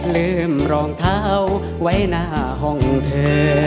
ลืมรองเท้าไว้หน้าห้องเธอ